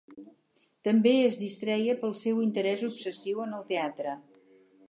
També es distreia pel seu interès obsessiu en el teatre.